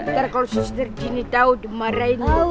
ntar kalau sister gini tau dimarahin